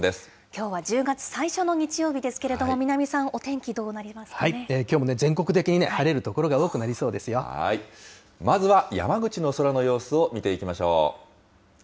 きょうは１０月最初の日曜日ですけれども、南さん、お天気、きょうも全国的に晴れる所がまずは山口の空の様子を見ていきましょう。